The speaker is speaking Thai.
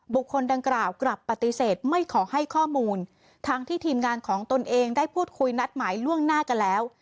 คนดังกล่าวกลับปฏิเสธไม่ขอให้ข้อมูลทั้งที่ทีมงานของตนเองได้พูดคุยนัดหมายล่วงหน้ากันแล้ว